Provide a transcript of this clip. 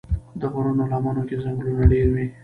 د غرونو لمنو کې ځنګلونه ډېر وي.